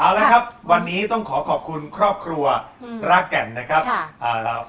เอาละครับวันนี้ต้องขอขอบคุณครอบครัวรักแก่นนะครับ